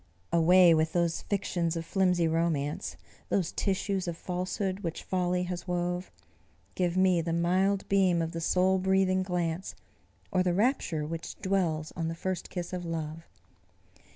Away with those fictions of flimsy romance! Those tissues of falsehood which folly has wove! Give me the mild beam of the soul breathing glance, Or the rapture which dwells on the first kiss of love.